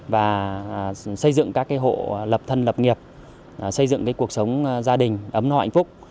và xây dựng các hộ lập thân lập nghiệp xây dựng cuộc sống gia đình ấm no hạnh phúc